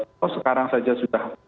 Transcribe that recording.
kalau sekarang saja sudah